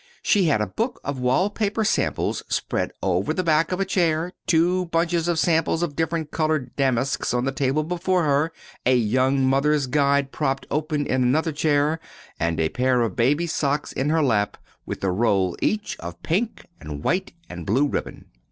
"She had a book of wall paper samples spread over the back of a chair, two bunches of samples of different colored damasks on the table before her, a 'Young Mother's Guide' propped open in another chair, and a pair of baby's socks in her lap with a roll each of pink, and white, and blue ribbon.